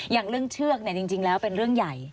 อย่างเรื่องเชือกจริงแล้วเป็นเรื่องใหญ่